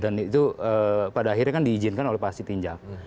dan itu pada akhirnya kan diizinkan oleh pak siti njak